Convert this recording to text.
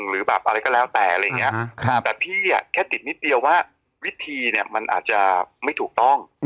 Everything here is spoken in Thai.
หรือแบบอะไรก็แล้วแต่อะไรอย่างนี้แต่พี่แค่ติดนิดเดียวว่าวิธีเนี่ยมันอาจจะไม่ถูกต้อง